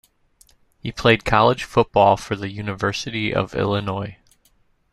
He played college football for the University of Illinois.